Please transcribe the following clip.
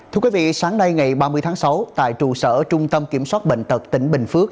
thưa quý vị sáng nay ngày ba mươi tháng sáu tại trụ sở trung tâm kiểm soát bệnh tật tỉnh bình phước